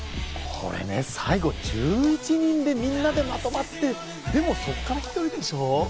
最後１１人でみんながまとまって、でもそこから１人でしょう？